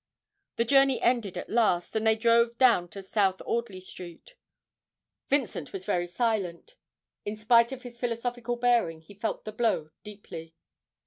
The journey ended at last, and they drove to South Audley Street. Vincent was very silent; in spite of his philosophical bearing, he felt the blow deeply.